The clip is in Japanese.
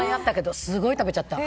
すごい食べちゃった。